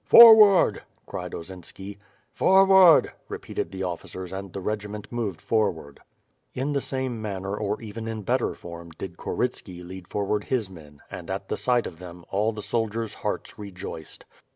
"Forward," cried Osinski. "Forward," repeated the officers and the regi ment moved forward. In the same manner or even in better form, did Korytski lead fonvard his men and, at sight of them, all the soldiers' hearts rejoiced.